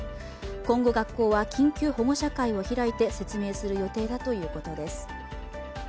今後、学校は緊急保護者会を開いて説明する予定だということです。